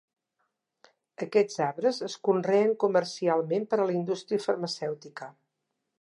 Aquests arbres es conreen comercialment per a la indústria farmacèutica.